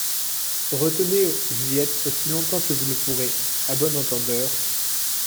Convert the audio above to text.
Retenez Juliette aussi longtemps que vous le pourrez. » À bon entendeur…